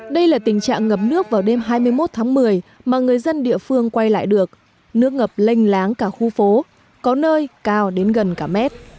đây là tình trạng ngập nước vào đêm hai mươi một tháng một mươi mà người dân địa phương quay lại được nước ngập lênh láng cả khu phố có nơi cao đến gần cả mét